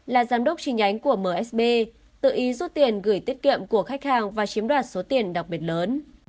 là giám đốc tri nhánh của msb tự ý rút tiền gửi tiết kiệm của khách hàng và chiếm đoạt số tiền đặc biệt lớn